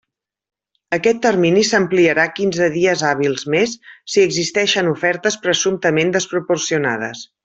Aquest termini s'ampliarà quinze dies hàbils més si existeixen ofertes presumptament desproporcionades.